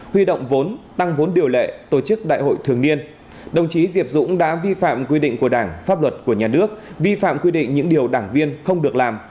huy động vốn tăng vốn điều lệ tổ chức đại hội thường niên đồng chí diệp dũng đã vi phạm quy định của đảng pháp luật của nhà nước vi phạm quy định những điều đảng viên không được làm